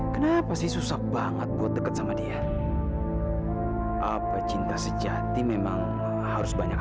sampai jumpa di video selanjutnya